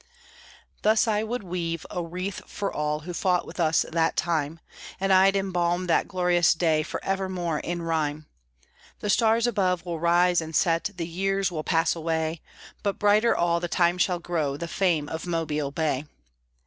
Thus I would weave a wreath for all Who fought with us that time, And I'd embalm that glorious day Forevermore in rhyme. The stars above will rise and set, The years will pass away, But brighter all the time shall grow The fame of Mobile Bay.